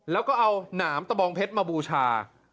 แล้วก็เอาหนามตะบองเพชรมาบูชา